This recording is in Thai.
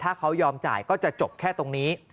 ถ้าเขายอมจ่ายก็จะจบแค่ตรงนี้